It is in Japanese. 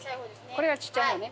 これがちっちゃい方ね。